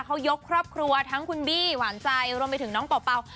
เขายกครอบครัวทั้งคุณบี้หวานใจรวมไปถึงน้องเป่า